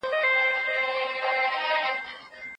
که خلګ سره متحد نه وي نو ګډوډي به هر ځای جوړه سي.